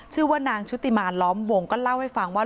ชื่อว่านางชุติมานล้อมวงก็เล่าให้ฟังว่า